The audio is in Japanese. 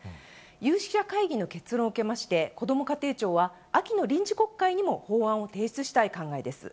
有識者会議の結論を受けましてこども家庭庁は、秋の臨時国会にも法案を提出したい考えです。